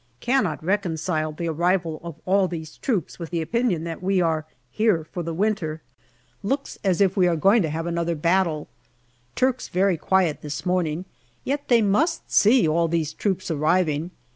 Cannot reconcile the arrival of all these troops with the opinion that we are here for the winter. Looks as if we are going to have another battle. Turks very quiet this morning, yet they must see all these troops arriving.